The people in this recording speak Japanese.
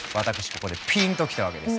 ここでピンときたわけですよ。